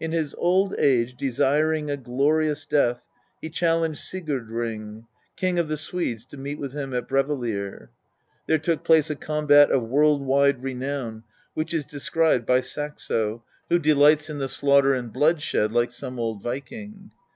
In his old age, desiring a glorious death, he challenged Sigurd ring, king of the Swedes, to meet with him at Bravellir. There took place a combat of world wide renown, which is described by Saxo, who delights in the slaughter and bloodshed like some old Viking.